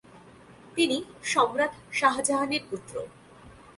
তিনি সম্রাট শাহজাহানের পুত্র।